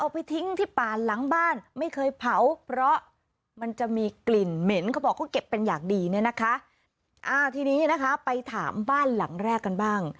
เป็นอย่างดีเนี่ยนะคะอ่าทีนี้นะคะไปถามบ้านหลังแรกกันบ้าง